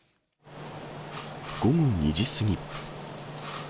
午後２時過ぎ。